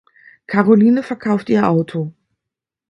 Karoline verkauft ihr Auto.